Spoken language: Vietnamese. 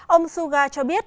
ông suga cho biết